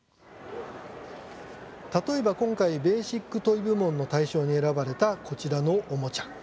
例えば、今回ベーシック・トイ部門の大賞に選ばれた、こちらのおもちゃ。